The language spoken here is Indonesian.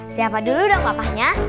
siapa dulu dong papahnya